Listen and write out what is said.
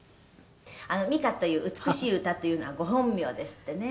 「“美歌”という“美しい歌”っていうのはご本名ですってね」